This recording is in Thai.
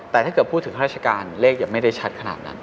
แต่ถ้าเกิดพูดถึงข้าราชการเลขยังไม่ได้ชัดขนาดนั้น